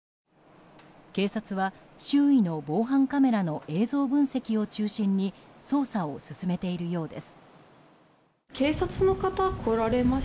警察は、周囲の防犯カメラの映像分析を中心に捜査を進めているようです。